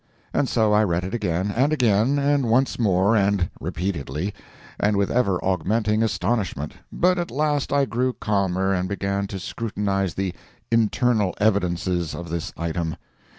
And so I read it again, and again, and once more, and repeatedly—and with ever augmenting astonishment. But at last I grew calmer and began to scrutinize the "internal evidences" of this item.